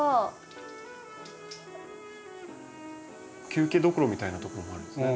休憩どころみたいなところもあるんですね。